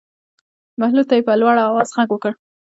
بهلول ته یې په لوړ آواز غږ وکړ.